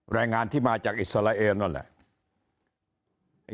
แรงงานที่มาจากอิสราเอลนั่นแหละ